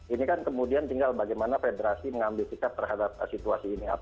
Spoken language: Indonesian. ini kan kemudian tinggal bagaimana federasi mengambil sikap terhadap situasi ini